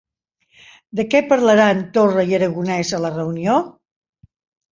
De què parlaran Torra i Aragonès a la reunió?